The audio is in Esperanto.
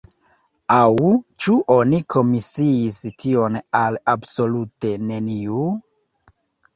Aŭ ĉu oni komisiis tion al absolute neniu?